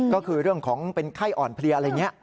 ก็คือเรื่องของเป็นไข้อ่อนเพลียอะไรอย่างนี้